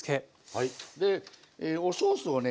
でおソースをね